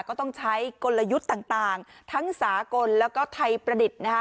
ก็ต้องใช้กลยุทธ์ต่างทั้งสากลแล้วก็ไทยประดิษฐ์นะคะ